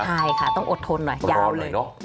ใช่ค่ะต้องอดทนหน่อยยาวเลยเนอะ